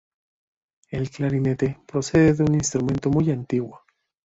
El clarinete procede de un instrumento muy antiguo.